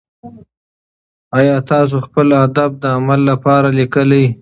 ایا تاسو خپل اهداف د عمل لپاره لیکلي؟